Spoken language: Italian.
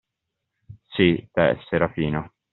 Sì, te, Serafino.